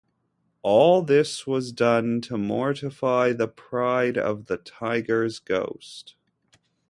All this was done to mortify the pride of the tiger's ghost.